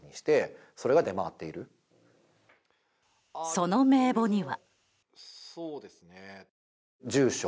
その名簿には。